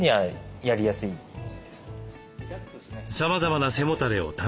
さまざまな背もたれを試します。